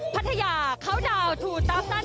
พัทยาเข้าดาวถูตามด้าน